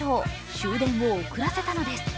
終電を遅らせたのです。